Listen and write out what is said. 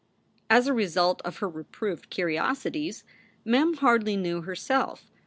As a result of her reproved curiosities, Mem hardly knew herself.